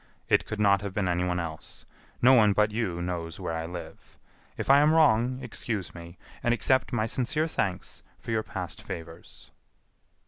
It could not have been anyone else. No one but you knows where I live. If I am wrong, excuse me, and accept my sincere thanks for your past favors...."